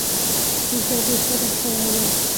چې زه بې سده شوې وم.